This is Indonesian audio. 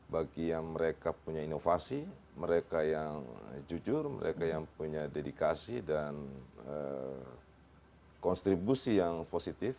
bagi yang mereka punya inovasi mereka yang jujur mereka yang punya dedikasi dan kontribusi yang positif